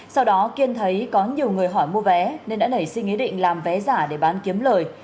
sau đó kiên thấy có nhiều người hỏi mua vé nên đã nảy sinh ý định làm vé giả để bán kiếm lời